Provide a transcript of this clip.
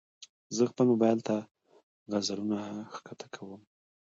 زه خپل موبایل ته غزلونه ښکته کوم.